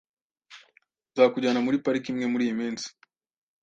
Nzakujyana muri pariki imwe muriyi minsi